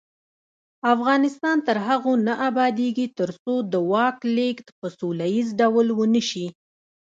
افغانستان تر هغو نه ابادیږي، ترڅو د واک لیږد په سوله ییز ډول ونشي.